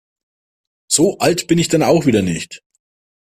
So alt bin ich dann auch wieder nicht.